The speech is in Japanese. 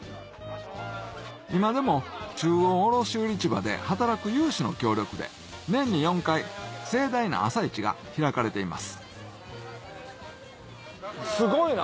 今でも中央卸売市場で働く有志の協力で年に４回盛大な朝市が開かれていますすごいな！